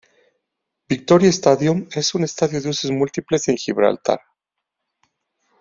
Victoria Stadium es un estadio de usos múltiples en Gibraltar.